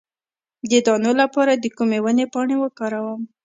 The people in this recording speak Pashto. د دانو لپاره د کومې ونې پاڼې وکاروم؟